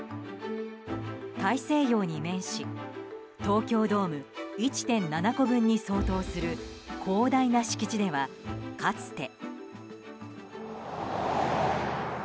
大西洋に面し東京ドーム１．７個分に相当する広大な敷地では、かつて。